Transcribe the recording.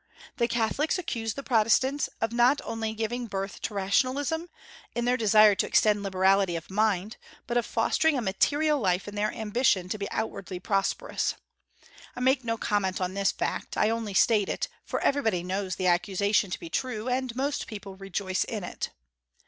The Catholics accuse the Protestants, of not only giving birth to rationalism, in their desire to extend liberality of mind, but of fostering a material life in their ambition to be outwardly prosperous. I make no comment on this fact; I only state it, for everybody knows the accusation to be true, and most people rejoice in it.